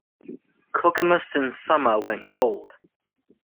"Kokemusten Summa" went gold.